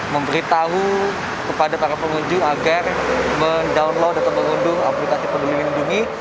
memberitahu kepada para pengunjung agar mendownload atau mengunduh aplikasi peduli lindungi